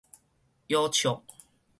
腰尺